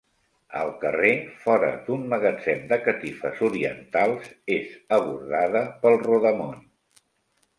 Al carrer fora d'un magatzem de catifes orientals, és abordada pel rodamón.